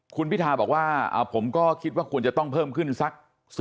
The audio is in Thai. คุณพิทาบอกว่าผมก็คิดว่าควรจะต้องเพิ่มขึ้นสัก๑๐